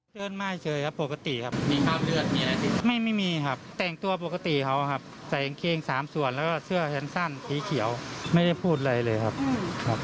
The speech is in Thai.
จิกเชิญไหม้เชยครับปกติครับทีใช่อ่ะไม่ได้พูดอะไรเลยครับอืม